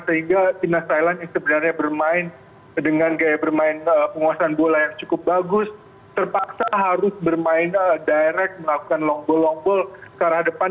sehingga timnas thailand yang sebenarnya bermain dengan gaya bermain penguasaan bola yang cukup bagus terpaksa harus bermain direct melakukan long ball long ball ke arah depan